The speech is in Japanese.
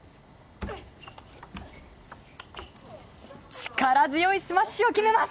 力強いスマッシュを決めます！